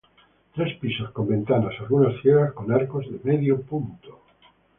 Tres pisos con ventanas, algunas ciegas con arcos de medio punto.